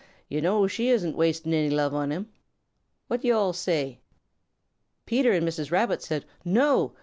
Yo' know she isn't wasting any love on him. What do yo' alls say?" Peter and Mrs. Peter said "No!"